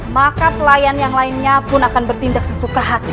maka pelayan yang lainnya pun akan bertindak sesuka hati